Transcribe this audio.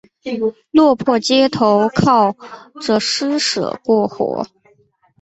落魄街头靠著施舍过活